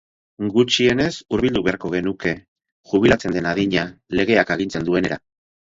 Gutxienez hurbildu beharko genuke jubilatzen den adina legeak agintzen duenera.